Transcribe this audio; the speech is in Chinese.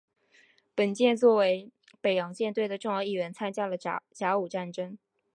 本舰作为北洋舰队的重要一员参加了甲午战争。